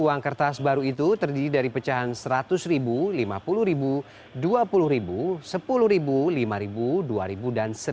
uang kertas baru itu terdiri dari pecahan seratus lima puluh dua puluh sepuluh lima ribu dua ribu dan